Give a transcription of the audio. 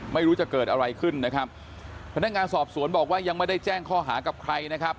ไม่รู้จะเกิดอะไรขึ้นนะครับพนักงานสอบสวนบอกว่ายังไม่ได้แจ้งข้อหากับใครนะครับ